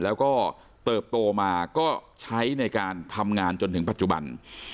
แล้วก็เติบโตมาก็ใช้ในการทำงานจนถึงปัจจุบัน